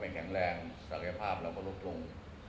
มองแข็งแรงภาพเราก็รบตรง